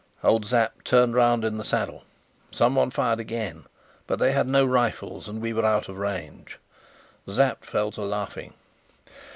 Old Sapt turned round in the saddle. Someone fired again, but they had no rifles, and we were out of range. Sapt fell to laughing.